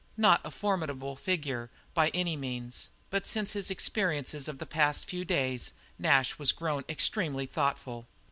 Not a formidable figure by any means, but since his experiences of the past few days, Nash was grown extremely thoughtful.